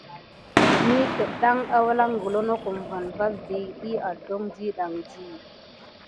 Mis kildan kuran mokone nok kikule kum wuké tida tatkizane.